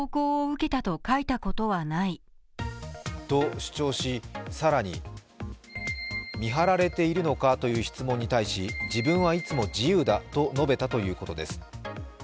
と、主張し更に見張られているのかという質問に対し自分はいつも自由だと述べたということです。